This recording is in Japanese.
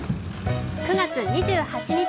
９月２８日